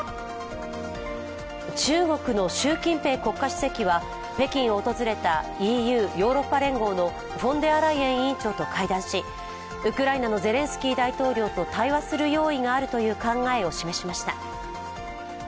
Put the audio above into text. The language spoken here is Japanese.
中国の習近平国家主席は北京を訪れたＥＵ＝ヨーロッパ連合のフォンデアライエン委員長と会談し、ウクライナのゼレンスキー大統領と対話する用意があるという考えを示しました。